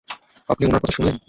আপনি উনার কথা শুনলেন?